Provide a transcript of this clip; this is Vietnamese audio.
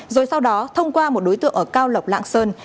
rồi sau đó thông qua một đối tượng ở cao lộc lạng sơn